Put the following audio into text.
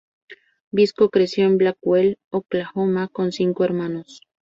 Brisco creció en Blackwell, Oklahoma con cinco hermanos.